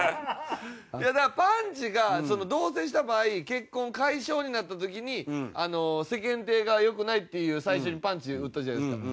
だからパンチが同棲した場合結婚解消になった時に世間体が良くないっていう最初にパンチ打ったじゃないですか。